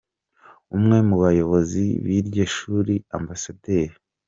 Umwe mu bayobozi b’iryo shuri Amb.